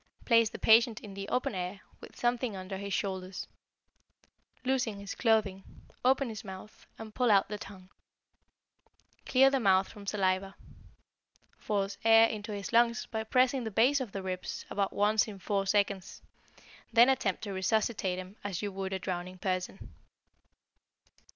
Place the patient in the open air, with something under his shoulders. Loosen his clothing, open his mouth, and pull out the tongue. Clear the mouth from saliva. Force air into his lungs by pressing the base of the ribs about once in four seconds, then attempt to resuscitate him as you would a drowning person.